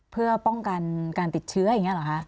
เพื่อป้องกันการติดเชื้ออย่างนี้เหรอคะ